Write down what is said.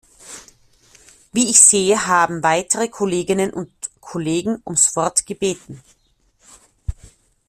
Wie ich sehe, haben weitere Kolleginnen und Kollegen ums Wort gebeten.